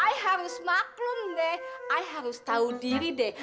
ay harus maklum deh ay harus tau diri deh